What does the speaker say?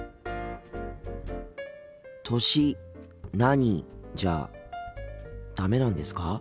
「歳何？」じゃダメなんですか？